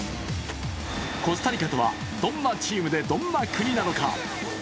コスタリカとは、どんなチームで、どんな国なのか。